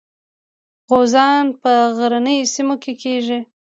غوزان په غرنیو سیمو کې کیږي.